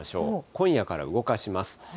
今夜から動かします。